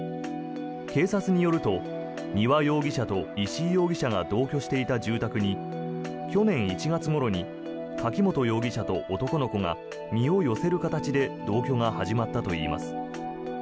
警察によると丹羽容疑者と石井容疑者が同居していた住宅に去年１月ごろに柿本容疑者と男の子が身を寄せる形で同居が始まったといいます。